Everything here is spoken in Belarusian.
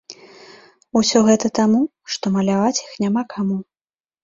Усё гэта таму, што маляваць іх няма каму.